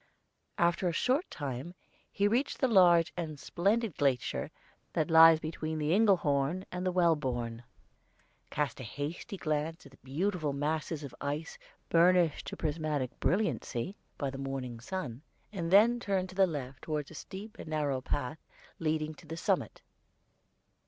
After a short time he reached the large and splendid glacier that lies between the Engelhorn and Wellborn, cast a hasty glance at the beautiful masses of ice burnished to prismatic brilliancy by the morning sun, and then turned to the left toward a steep and narrow path leading to the summit.